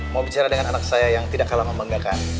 mau bicara dengan anak saya yang tidak kalah membanggakan